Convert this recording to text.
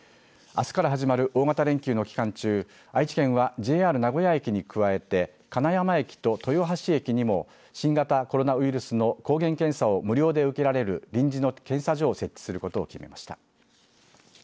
あすから始まる大型連休の期間中愛知県はＪＲ名古屋駅に加えて金山駅と豊橋駅にも新型コロナウイルスの抗原検査を無料で受けられる臨時の検査所を設置することを決めました。